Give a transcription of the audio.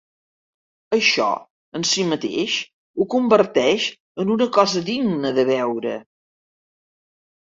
Això, en si mateix, ho converteix en una cosa digna de veure.